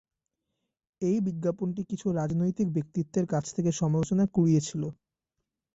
এই বিজ্ঞাপনটি কিছু রাজনৈতিক ব্যক্তিত্বের কাছ থেকে সমালোচনা কুড়িয়েছিল।